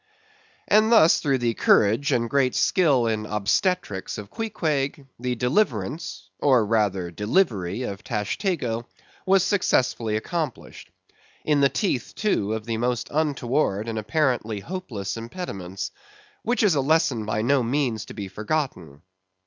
And thus, through the courage and great skill in obstetrics of Queequeg, the deliverance, or rather, delivery of Tashtego, was successfully accomplished, in the teeth, too, of the most untoward and apparently hopeless impediments; which is a lesson by no means to be forgotten.